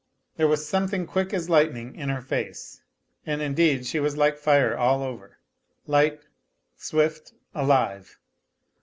There was something quick as lightning in her face, and indeed she was like fire all over, light, swift, alive.